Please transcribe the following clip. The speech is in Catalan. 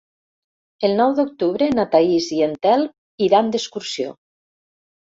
El nou d'octubre na Thaís i en Telm iran d'excursió.